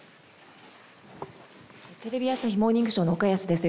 テレビ朝日「モーニングショー」の岡安です。